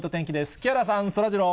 木原さん、そらジロー。